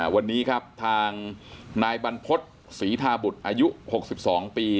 วันนี้ครับทางนายบรรพฤษศรีธาบุตรอายุ๖๒ปี